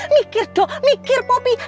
mikir dong mikir poppy